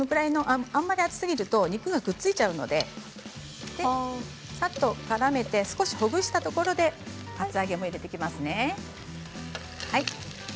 あまり熱すぎると肉がくっついちゃうのでさっとからめてほぐしたところで厚揚げも入れていきますね。